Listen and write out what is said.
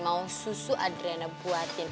mau susu andriana buatin